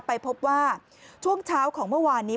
ไปพบว่าช่วงเช้าของเมื่อวานนี้